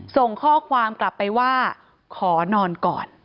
ส่งข้อความกลับไปว่าขอนอนก่อน